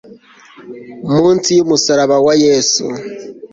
Munsi yumusaraba wa yesu